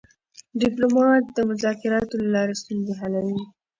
ډيپلومات د مذاکراتو له لارې ستونزې حلوي.